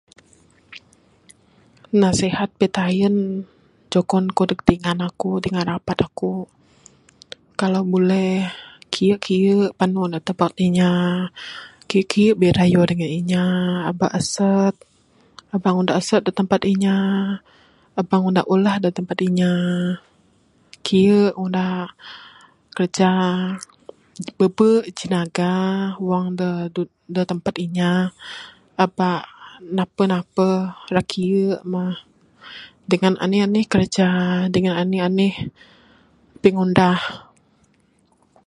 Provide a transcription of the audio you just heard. Nasihat pitayen jugon ku neg dingan aku, dingan rapat aku. Kalau buleh, kiye kiye panu da tampat inya, kiye kiye birayo dangan inya, aba asat, aba ngundah asat da tampat inya, aba ngundah ulah da tampat inya, kiye ngundah kerja, bebe jinaga wang da tampat inya. Aba napeh napeh. Ira kiye mah dangan anih anih kerja dangan anih anih pingundah.